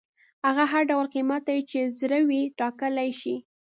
هغه هر ډول قیمت چې یې زړه وي ټاکلی شي.